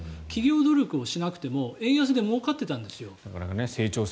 企業努力をしなくても円安でもうかっていたんです。